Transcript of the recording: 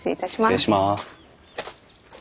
失礼します。